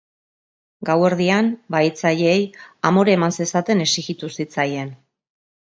Gauerdian, bahitzaileei amore eman zezaten exijitu zitzaien.